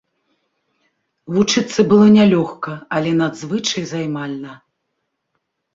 Вучыцца было нялёгка, але надзвычай займальна.